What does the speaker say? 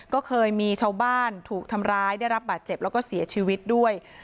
ก็เคยมีชาวบ้านถูกทำร้ายได้รับบาดเจ็บแล้วก็เสียชีวิตด้วย